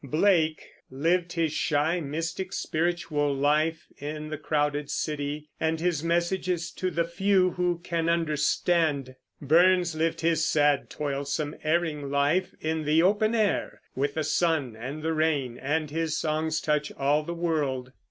Blake lived his shy, mystic, spiritual life in the crowded city, and his message is to the few who can understand. Burns lived his sad, toilsome, erring life in the open air, with the sun and the rain, and his songs touch all the world.